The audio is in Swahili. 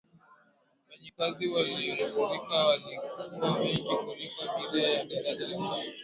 wafanyakazi waliyonusurika walikuwa wengi kuliko abiri wa daraja la tatu